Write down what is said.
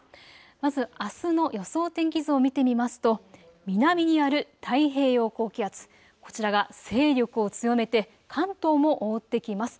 まずあすの予想天気図を見てみますと南にある太平洋高気圧、こちらが勢力を強めて関東も覆ってきます。